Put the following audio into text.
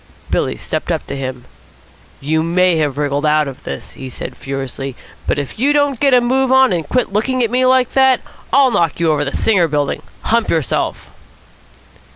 Billy stepped up to him. "You may have wriggled out of this," he said furiously, "but if you don't get a move on and quit looking at me like that, I'll knock you over the Singer Building. Hump yourself."